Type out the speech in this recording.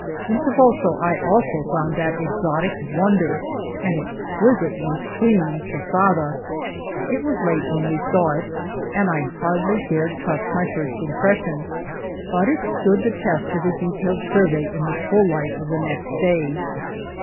In Toboso I also found that exotic wonder an exquisitely clean posada. It was late when we saw it, and I hardly dared trust my first impression, but it stood the test of a detailed survey in the full light of the next day.